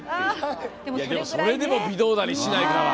それでも微動だにしないから。